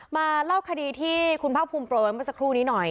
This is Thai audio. มาเล่าคดีที่คุณภาคภูมิโปรยไว้เมื่อสักครู่นี้หน่อย